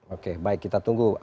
oke baik kita tunggu